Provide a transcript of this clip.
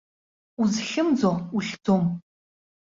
Узхьымӡо ухьӡом.